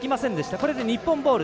これで日本ボール。